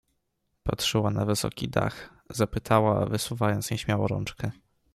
Patrzyła na wysoki dach, zapytała wysuwając nieśmiało rączkę.